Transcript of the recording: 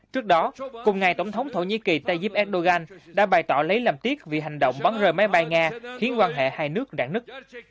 trước đó cùng ngày tổng thống thổ nhĩ kỳ tayyip erdogan đã bày tỏ lấy làm tiếc vì hành động bắn rơi máy bay nga khiến quan hệ hai nước rạng nứt